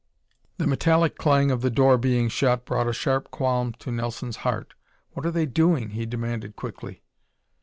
The metallic clang of the door being shut brought a sharp qualm to Nelson's heart. "What are they doing?" he demanded quickly.